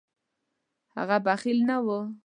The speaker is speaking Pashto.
هغه بخیل نه و.